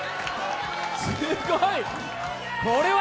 すごい！